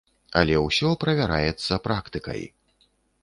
Але ўсё правяраецца практыкай.